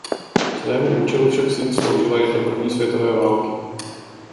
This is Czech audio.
Svému účelu však síň sloužila jen do první světové války.